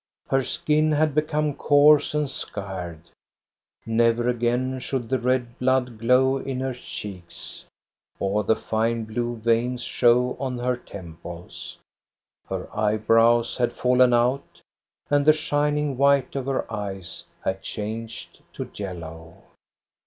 Her skin had become coarse and scarred. Never again should the red blood glow in her cheeks, or the fine blue veins show on her temples. Her eyebrows had fallen out, and the shining white of her eyes had changed to yellow.